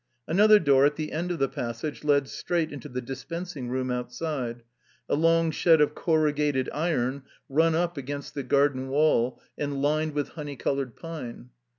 Another door at the end of the passage led straight into the dispensing room outside, a long shed of corrugated iron run up against the garden wall and lined with honey colored pine.